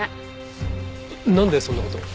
なんでそんな事を？